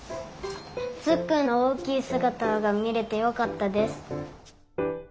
つっくんのおおきいすがたがみれてよかったです。